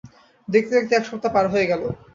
দেখতে- দেখতে এক সপ্তাহ পার হয়ে গেল।